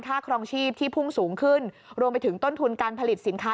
ครองชีพที่พุ่งสูงขึ้นรวมไปถึงต้นทุนการผลิตสินค้า